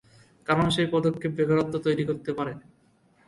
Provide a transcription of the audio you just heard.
কারণ সেই পদক্ষেপ বেকারত্ব তৈরি করতে পারে।